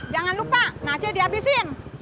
jangan lupa nasi dihabisin